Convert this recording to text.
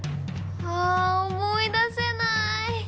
あ思い出せない！